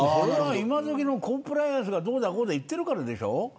今どきのコンプライアンスがどうのこうの言っているからでしょう。